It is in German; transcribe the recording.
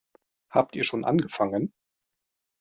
Habt ihr schon angefangen?